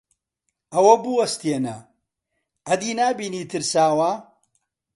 ئەوە بوەستێنە! ئەی نابینی ترساوە؟